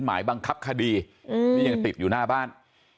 หมายบังคับคดีนี่ยังติดอยู่หน้าบ้าน